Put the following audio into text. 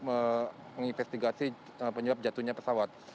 menginvestigasi penyebab jatuhnya pesawat